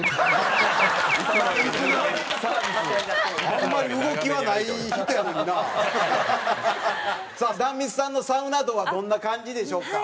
あんまりさあ壇蜜さんのサウナ道はどんな感じでしょうか？